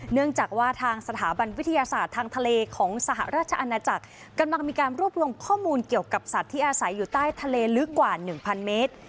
เนื่องจากว่าทางสถาบันวิทยาศาสตร์ทางทะเลของสหราชอาณาจักรกำลังมีการรวบรวมข้อมูลเกี่ยวกับสัตว์ที่อาศัยอยู่ใต้ทะเลลึกกว่า๑๐๐เมตร